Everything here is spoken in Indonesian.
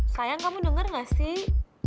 sayang kamu denger gak sih